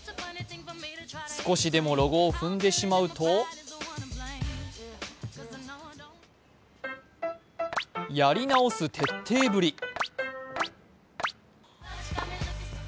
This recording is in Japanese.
少しでもロゴを踏んでしまうとやり直す徹底ぶり。